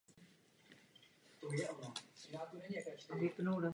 Tehdejší metabolismus musel být zcela odlišný od současných mechanismů.